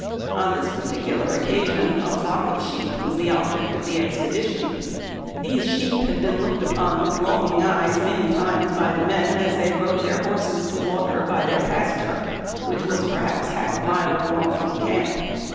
On this particular occasion a flock of sheep was the object of the expedition. These sheep had been looked upon with long ing eyes many times by the men as they rode their horses to water by their pasture, which was, perhaps, half a mile or more from camp.